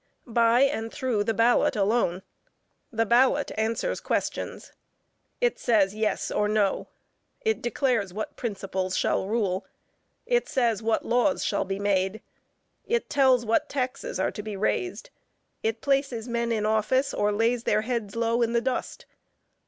By and through the ballot alone. The ballot answers questions. It says yes, or no. It declares what principles shall rule; it says what laws shall be made, it tells what taxes are to be raised; it places men in office or lays their heads low in the dust.